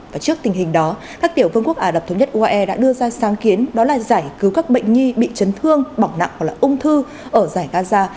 và trước tình hình đó các tiểu vương quốc ả rập thống nhất uae đã đưa ra sáng kiến đó là giải cứu các bệnh nhi bị chấn thương bỏng nặng hoặc là ung thư ở giải gaza